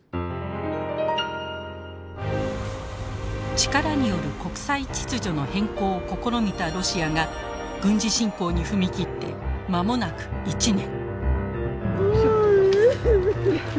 力による国際秩序の変更を試みたロシアが軍事侵攻に踏み切って間もなく１年。